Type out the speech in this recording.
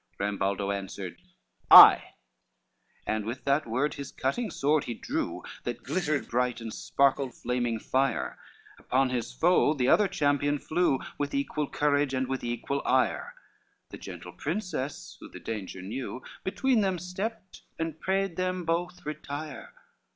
Rambaldo answered, "I." LXXXIII And with that word his cutting sword he drew, That glittered bright, and sparkled flaming fire; Upon his foe the other champion flew, With equal courage, and with equal ire. The gentle princess, who the danger knew, Between them stepped, and prayed them both retire.